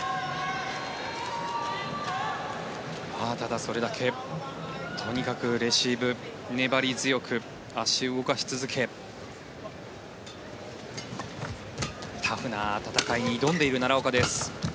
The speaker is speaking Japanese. ただ、それだけとにかくレシーブ粘り強く足を動かし続けタフな戦いに挑んでいる奈良岡です。